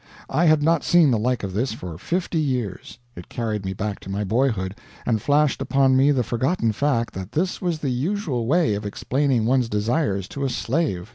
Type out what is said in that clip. I had not seen the like of this for fifty years. It carried me back to my boyhood, and flashed upon me the forgotten fact that this was the usual way of explaining one's desires to a slave.